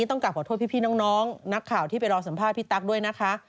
ต้องกลับขอโทษพี่น้องนักข่าวที่ไปรอสัมภาษณ์พี่ตั๊กด้วยนะคะ